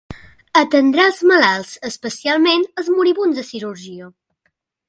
Atendrà els malalts, especialment els moribunds de cirurgia.